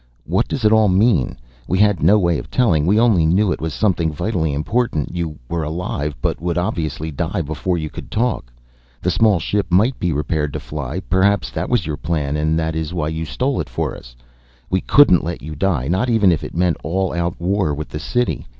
What does it all mean? We had no way of telling. We only knew it was something vitally important. You were alive, but would obviously die before you could talk. The small ship might be repaired to fly, perhaps that was your plan and that is why you stole it for us. We couldn't let you die, not even if it meant all out war with the city.